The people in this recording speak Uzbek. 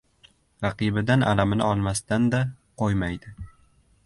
Raqibidan alamini olmasdan-da qo‘ymaydi.